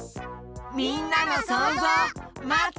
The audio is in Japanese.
みんなのそうぞう。